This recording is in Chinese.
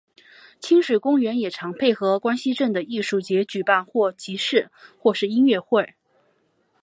亲水公园也常配合关西镇的艺术节举办市集或是音乐会。